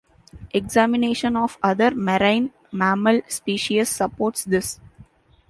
Examination of other marine mammal species supports this.